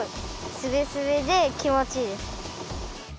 すべすべできもちいいです。